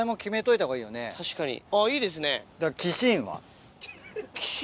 確かにあっいいですね。